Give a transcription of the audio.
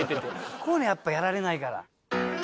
こういうのやっぱやられないから。